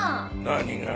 何が？